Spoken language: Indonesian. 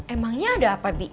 emangnya ada apa bi